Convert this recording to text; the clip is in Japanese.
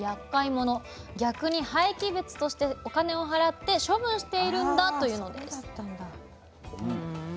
逆に廃棄物としてお金を払って処分しているんだというのです。